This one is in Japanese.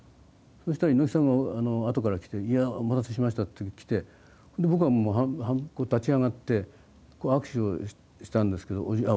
そしたら猪木さんがあとから来て「いやお待たせしました」って来てぼくはもう半分立ち上がってこう握手をしたんですけどいや